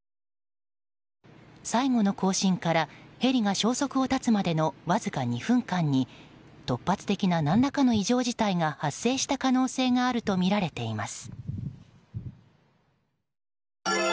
最後の交信からヘリが消息を絶つまでのわずか２分間に突発的な何らかの異常事態が発生した可能性があるとみられています。